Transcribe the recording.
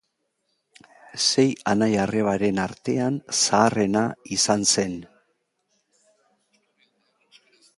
Sei anai-arrebaren artean zaharrena izan zen.